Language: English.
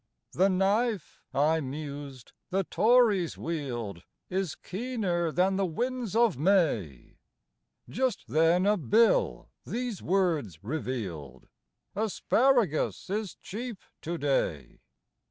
" The knife," I mused, " the Tories wield Is keener than the winds of May." Just then a bill these words revealed :" Asparagus is cheap to day."